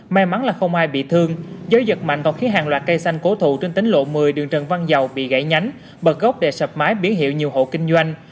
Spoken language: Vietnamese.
may mắn là không ai bị thương gió giật mạnh còn khiến hàng loạt cây xanh cố thụ trên tính lộ một mươi đường trần văn dầu bị gãy nhánh bật gốc để sập mái bí hiệu nhiều hộ kinh doanh